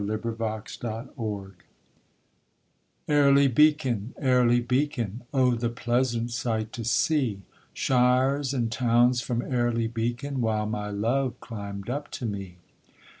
AIRLY BEACON Airly Beacon, Airly Beacon; Oh the pleasant sight to see Shires and towns from Airly Beacon, While my love climbed up to me!